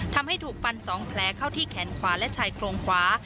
ทำให้ถูกฟัน๒แผลเข้าที่แขนขวาและชายโครงขวา